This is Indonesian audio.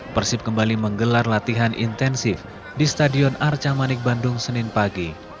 persib kembali menggelar latihan intensif di stadion arca manik bandung senin pagi